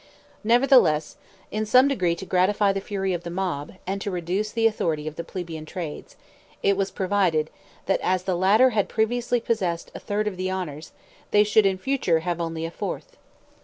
Nevertheless, in some degree to gratify the fury of the mob, and to reduce the authority of the plebeian trades, it was provided, that as the latter had previously possessed a third of the honors, they should in future have only a fourth.